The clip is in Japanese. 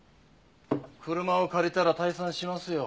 車を借りたら退散しますよ。